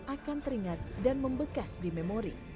akan teringat dan membekas di memori